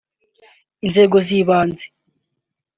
inzego z’ibanze